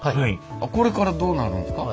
これからどうなるんですか？